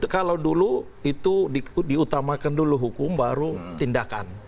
kalau dulu itu diutamakan dulu hukum baru tindakan